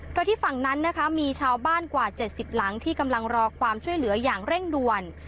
โดยที่ฝั่งนั้นนะคะมีชาวบ้านกว่า๗๐หลังที่กำลังรอความช่วยเหลืออย่างเร่งด่วน